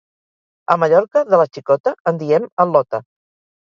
A Mallorca de la xicota en diem al·lota.